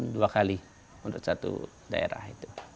dua kali untuk satu daerah itu